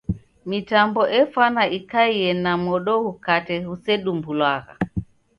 Mitambo efwana ikaie na modo ghukate ghusedumbulwagha.